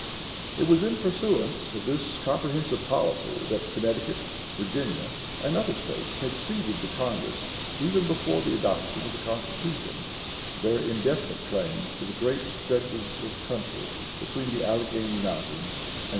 It was in pursuance of this comprehensive policy that Connecticut, Virginia, and other states had ceded to Congress, even before the adoption of the Constitution, their indefinite claims to the great stretches of country between the Allegheny Mountains and the Mississippi.